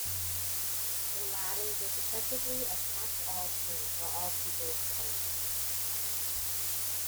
The latter was effectively a 'catch all' term for all people of color.